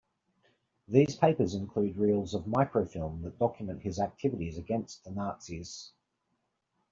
These papers include reels of microfilm that document his activities against the Nazis.